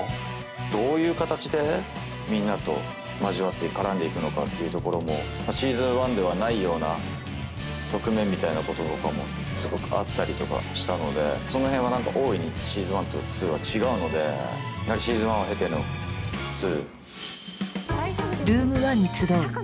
どういう形でみんなと交わって絡んでいくのかっていうところも「Ｓｅａｓｏｎ１」ではないような側面みたいなこととかもすごくあったりとかしたのでその辺は何か大いに「Ｓｅａｓｏｎ１」と「２」は違うのでやはり「Ｓｅａｓｏｎ１」を経ての「２」。